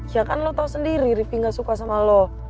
ya kan lo tahu sendiri riving gak suka sama lo